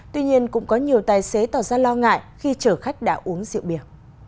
tuy nhiên cũng có nhiều tài xế tỏ ra lo ngại khi chở khách đã uống rượu bia